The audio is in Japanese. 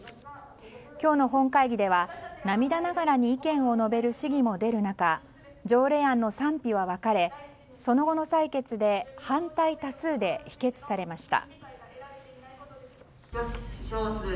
今日の本会議では涙ながらに意見を述べる市議も出る中条例案の賛否は分かれその後の採決で反対多数で否決されました。